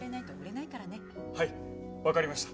はいわかりました。